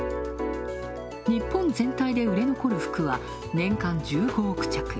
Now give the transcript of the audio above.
日本全体で売れ残る服の数は年間１５億着。